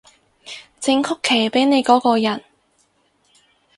整曲奇畀你嗰個人